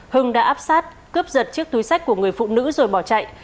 hưng đã áp sát cướp giật chiếc túi sách của người phụ nữ rồi bỏ chạy